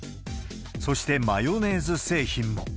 そして、マヨネーズ製品も。